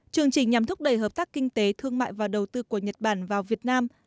chương trình nhằm thúc đẩy hợp tác kinh tế thương mại và đầu tư của nhật bản vào việt nam